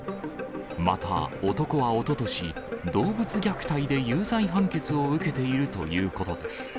また男はおととし、動物虐待で有罪判決を受けているということです。